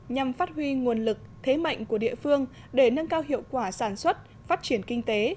nhằm phát huy nguồn lực thế mạnh của địa phương để nâng cao hiệu quả sản xuất phát triển kinh tế